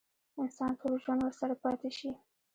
انسان ټول ژوند ورسره پاتې شي.